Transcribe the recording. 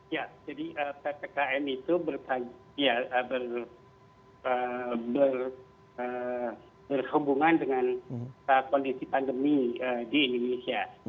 ya jadi ppkm itu berhubungan dengan kondisi pandemi di indonesia